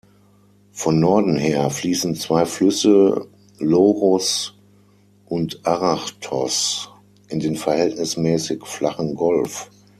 Von Norden her fließen zwei Flüsse, Louros und Arachthos, in den verhältnismäßig flachen Golf.